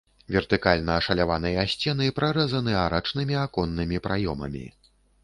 Вертыкальна ашаляваныя сцены прарэзаны арачнымі аконнымі праёмамі.